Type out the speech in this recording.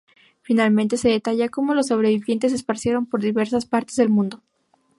Finalmente se detalla cómo los sobrevivientes se esparcieron por diversas partes del mundo.